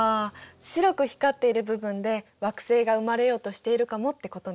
白く光っている部分で惑星が生まれようとしているかもってことね。